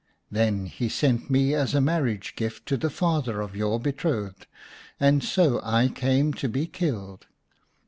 Then he sent me as a marriage gift to the father of your betrothed, and so I came to be killed.